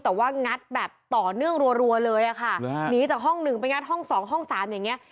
แต่ว่างัดแบบต่อเนื่องรัวเลยอะค่ะหนีจากห้องหนึ่งไปงัดห้องสองห้องสามอย่างเงี้